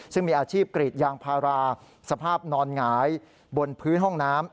ซึ่งมีอาชีพกรีดยางพาราสภาพนอนหงายบนพื้นห้องน้ำ